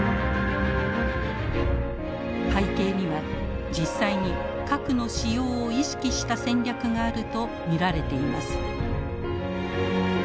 背景には実際に核の使用を意識した戦略があると見られています。